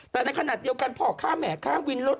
แต่ในขณะเดียวกันพ่อค้าแหม่ข้างวินรถ